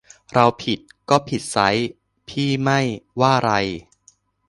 เราผิดก็ผิดไซร้ พี่ไม่ ว่าไร